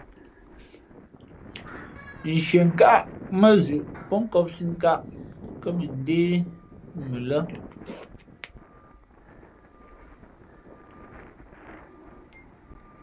Nshienkáʼ mά zʉʼ pó nkōpsī nkāʼ kά mʉndé mʉ lά.